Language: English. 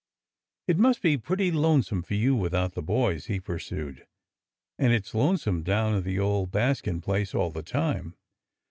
It must be pretty lonesome for you without the boys," he pursued. " And it 's lonesome down at the old Bas kin place all the time.